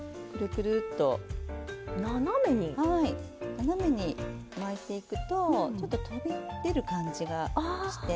斜めに巻いていくとちょっと飛び出る感じがして。